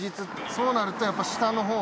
そうなるとやっぱ下のほう。